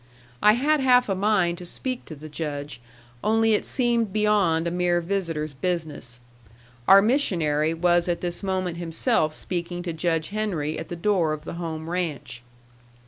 I had half a mind to speak to the Judge, only it seemed beyond a mere visitor's business. Our missionary was at this moment himself speaking to Judge Henry at the door of the home ranch.